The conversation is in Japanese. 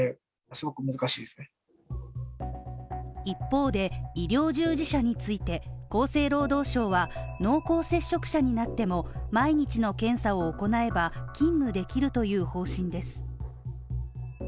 一方で、医療従事者について、厚生労働省は濃厚接触者になっても毎日の検査を行えば、勤務できるという方針です。